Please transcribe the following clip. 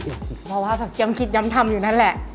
เพราะว่าแบบยังคิดย้ำทำอยู่นั่นแหละ